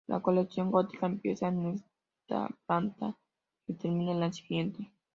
La colección gótica empieza en esta planta y termina en la siguiente.